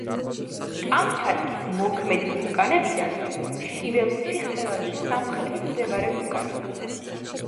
კამჩატკის მოქმედი ვულკანებიდან შიველუჩი ყველაზე სამხრეთით მდებარე ვულკანია.